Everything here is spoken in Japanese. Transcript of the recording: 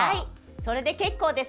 それで結構です。